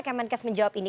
dan kes menjawab ini